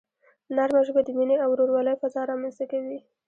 نرمه ژبه د مینې او ورورولۍ فضا رامنځته کوي.